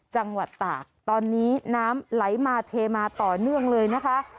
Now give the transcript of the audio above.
จังหวัดตากตอนนี้น้ำไหลมาเทมาต่อเนื่องเลยนะคะ